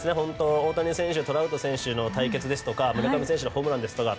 大谷選手、トラウト選手の対決ですとか村上選手のホームランですとか。